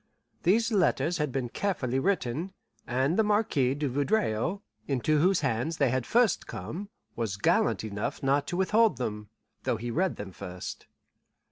These letters had been carefully written, and the Marquis de Vaudreuil, into whose hands they had first come, was gallant enough not to withhold them though he read them first.